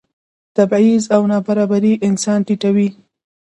تبعیض او نابرابري انسان ټیټوي.